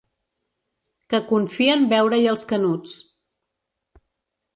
Que confien veure-hi els Canuts.